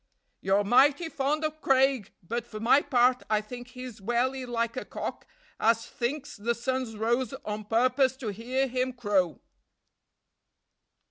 "You're mighty fond o' Craig; but for my part, I think he's welly like a cock as thinks the sun's rose o' purpose to hear him crow."